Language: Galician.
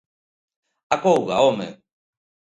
Acouga, home!